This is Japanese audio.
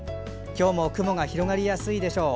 今日も雲が広がりやすいでしょう。